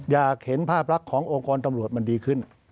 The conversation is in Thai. อยากเห็นภาพลักษณ์ขององค์กรตำรวจมันดีขึ้น